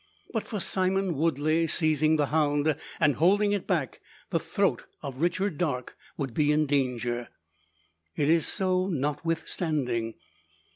But for Simeon Woodley seizing the hound, and holding it back, the throat of Richard Darke would be in danger. It is so, notwithstanding.